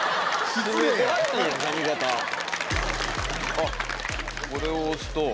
あっこれを押すと。